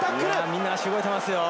みんな足動いていますよ。